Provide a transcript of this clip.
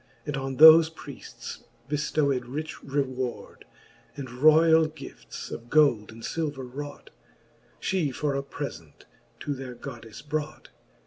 And on thofe Priefts bcftowed rich reward ; And royall gifts, of gold and iilver wrought, She for a prefent to their GoddefTe brought.